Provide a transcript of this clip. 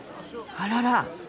あらら。